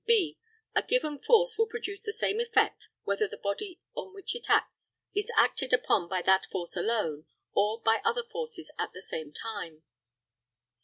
(b) A given force will produce the same effect, whether the body on which it acts is acted upon by that force alone, or by other forces at the same time.